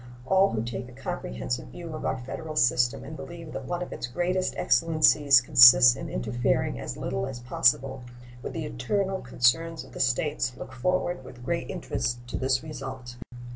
All who take a comprehensive view of our federal system and believe that one of its greatest excellencies consists in interfering as little as possible with the internal concerns of the States look forward with great interest to this result.